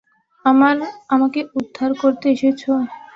আমাকে উদ্ধার করতে এসেছো?